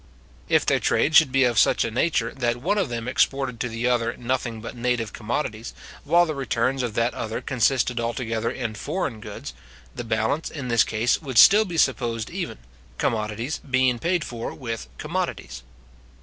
If their trade should be of such a nature, that one of them exported to the other nothing but native commodities, while the returns of that other consisted altogether in foreign goods; the balance, in this case, would still be supposed even, commodities being paid for with commodities.